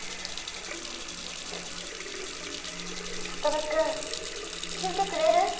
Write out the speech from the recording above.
サトルくん聞いてくれる？